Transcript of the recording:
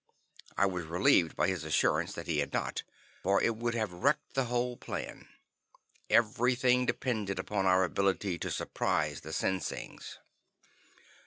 I was relieved by his assurance that he had not, for it would have wrecked the whole plan. Everything depended upon our ability to surprise the Sinsings.